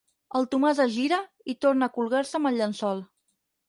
El Tomàs es gira i torna a colgar-se amb el llençol.